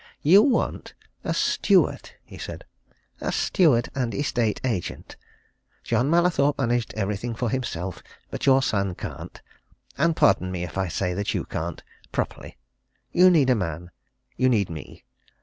"You want a steward," he said. "A steward and estate agent. John Mallathorpe managed everything for himself, but your son can't, and pardon me if I say that you can't properly. You need a man you need me.